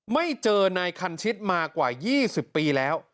ไม่เจอนายคันชิดมากว่า๒๐ปีแล้ว